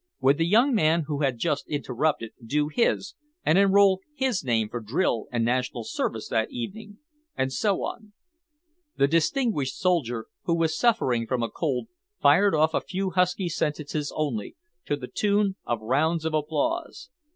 Would the young man who had just interrupted do his, and enroll his name for drill and national service that evening? and so on. The distinguished soldier, who was suffering from a cold, fired off a few husky sentences only, to the tune of rounds of applause.